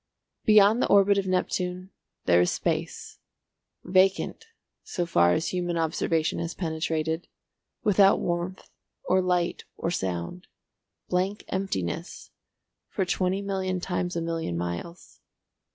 Beyond the orbit of Neptune there is space, vacant so far as human observation has penetrated, without warmth or light or sound, blank emptiness, for twenty million times a million miles.